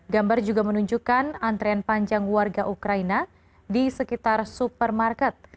gambar juga menunjukkan antrean panjang warga ukraina di sekitar supermarket